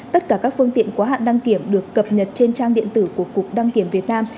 tất cả các phương tiện quá hạn đăng kiểm được cập nhật trên trang điện tử của cục đăng kiểm việt nam